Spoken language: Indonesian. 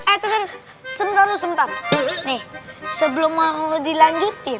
eh terus sebentar dulu sebentar nih sebelum mau dilanjutin